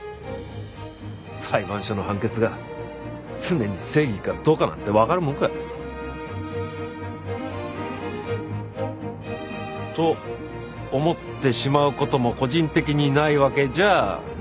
裁判所の判決が常に正義かどうかなんてわかるもんか。と思ってしまう事も個人的にないわけじゃない。